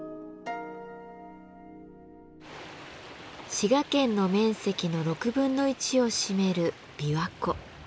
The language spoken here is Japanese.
滋賀県の面積のを占める琵琶湖。